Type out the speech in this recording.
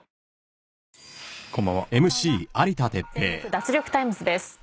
脱力タイムズ』です。